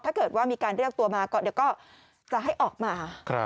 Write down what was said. ถ้าเกิดว่ามีการเรียกตัวมาก็เดี๋ยวก็จะให้ออกมา